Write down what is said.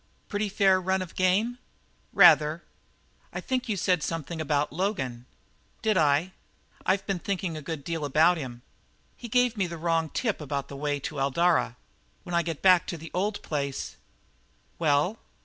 "Pretty fair run of game?" "Rather." "I think you said something about Logan?" "Did I? I've been thinking a good deal about him. He gave me the wrong tip about the way to Eldara. When I get back to the old place " "Well?"